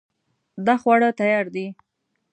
دا خواړه تیار دي